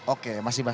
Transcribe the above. oke mas imbak